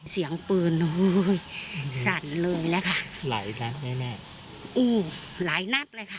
เสียงปืนเฮ้ยสั่นเลยแหละค่ะไหลค่ะแม่แม่อู้หลายนัดเลยค่ะ